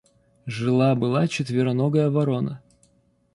Жила была четвероногая ворона.